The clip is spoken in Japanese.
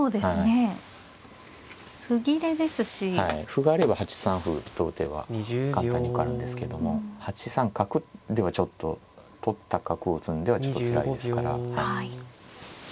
歩があれば８三歩と打てば簡単に受かるんですけども８三角ではちょっと取った角を打つんではちょっとつらいですから。